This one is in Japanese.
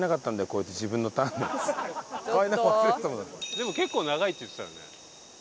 でも結構長いって言ってたよね。